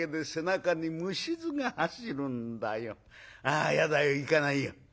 あやだよ行かないよ」。